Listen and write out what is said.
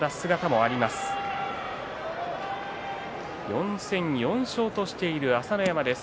４戦４勝としている朝乃山です。